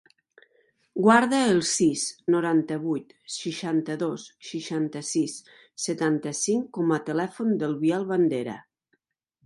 Guarda el sis, noranta-vuit, seixanta-dos, seixanta-sis, setanta-cinc com a telèfon del Biel Bandera.